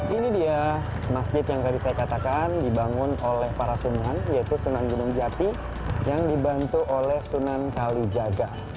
ini dia masjid yang tadi saya katakan dibangun oleh para sunan yaitu sunan gunung jati yang dibantu oleh sunan kalijaga